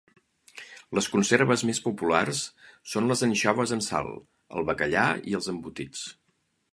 Les conserves més populars són les anxoves en sal, el bacallà i els embotits.